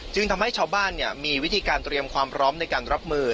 ทำให้ชาวบ้านมีวิธีการเตรียมความพร้อมในการรับมือ